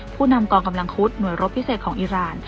ผู้นำกองกำลังคุดหน่วยรบพิเศษของอิราณ